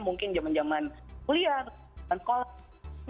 cuman kuliah cuman sekolah